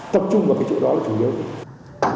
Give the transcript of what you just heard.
tập trung vào cái chỗ đó là chủ yếu